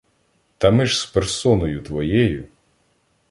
Та ми ж з персоною твоєю